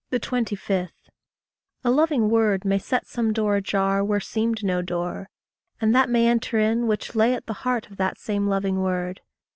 25. A loving word may set some door ajar Where seemed no door, and that may enter in Which lay at the heart of that same loving word.